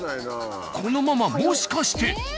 このままもしかして。